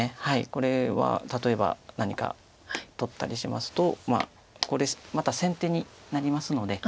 これは例えば何か取ったりしますとこれまた先手になりますので。